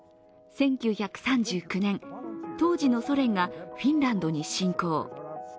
１９３９年、当時のソ連がフィンランドに侵攻。